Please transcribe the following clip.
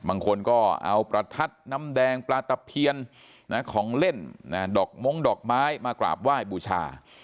บางคนก็เอาประทัดน้ำแดงปลาตะเพียนของเล่นดอกม้งดอกไม้มากราบไหว้บูชา